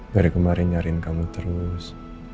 baru kemarin nyariin kamu terus